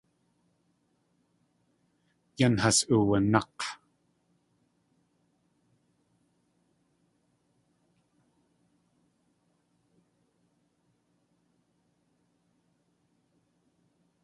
Yan has uwanák̲.